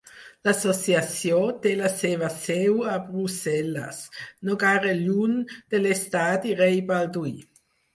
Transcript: L'associació té la seva seu a Brussel·les, no gaire lluny de l'estadi Rei Balduí.